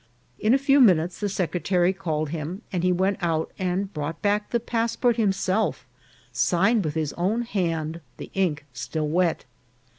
In a few minutes the secretary called him, and he went out and brought back the passport himself, signed with his own hand, the ink still wet.